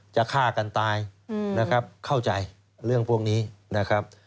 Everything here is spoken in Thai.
ฆ่ากันตายนะครับเข้าใจเรื่องพวกนี้นะครับ